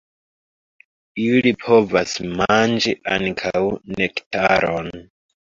Ili povas manĝi ankaŭ nektaron.